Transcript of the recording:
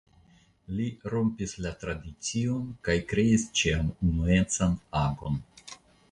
Li rompis la tradicion kaj li kreis ĉiam unuecan agon.